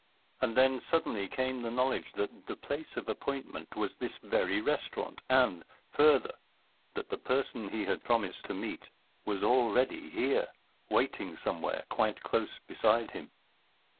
And then suddenly came the knowledge that the place of appointment was this very restaurant, and, further, that the person he had promised to meet was already here, waiting somewhere quite close beside him.